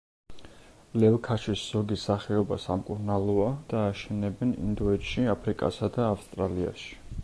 ლელქაშის ზოგი სახეობა სამკურნალოა და აშენებენ ინდოეთში, აფრიკასა და ავსტრალიაში.